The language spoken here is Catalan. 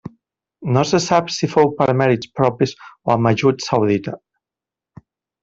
No se sap si fou per mèrits propis o amb ajut saudita.